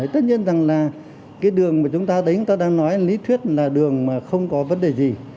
tất nhiên là đường mà chúng ta đang nói lý thuyết là đường mà không có vấn đề gì